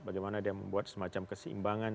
bagaimana dia membuat semacam keseimbangan